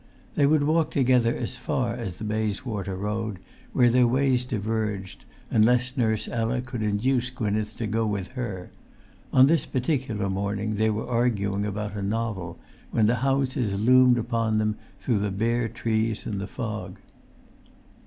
They would walk together as far as the Bayswater Road, where their ways diverged, unless Nurse Ella could induce Gwynneth to go with her; on this particular morning they were arguing about a novel when the houses loomed upon them through the bare trees and the fog.